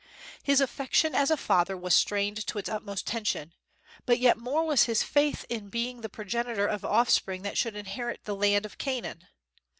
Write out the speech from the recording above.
His affection as a father was strained to its utmost tension, but yet more was his faith in being the progenitor of offspring that should inherit the land of Canaan.